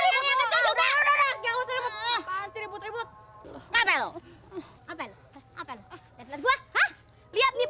jangan jangan stip